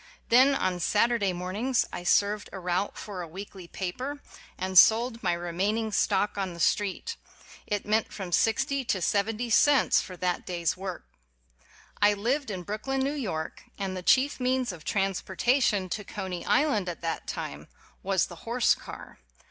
Then on Saturday mornings I served a route for a weekly paper, and sold my remaining stock on the street. It meant from sixty to seventy cents for that day's work. I lived in Brooklyn, New York, and the chief means of transportation to Coney Island at that time was the horse car.